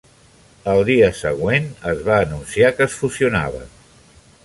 Al dia següent es va anunciar que es fusionaven.